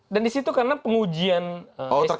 dan di situ karena pengujian s tiga itu